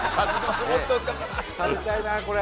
食べたいなこれ。